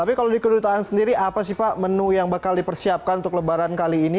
tapi kalau di kedutaan sendiri apa sih pak menu yang bakal dipersiapkan untuk lebaran kali ini